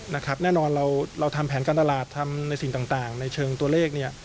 แน่นอนเราทำแผนการตลาดทำในสิ่งต่างในเชิงตัวเลขเนี่ย